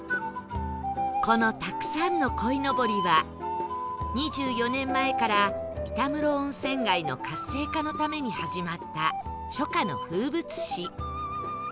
このたくさんの鯉のぼりは２４年前から板室温泉街の活性化のために始まった初夏の風物詩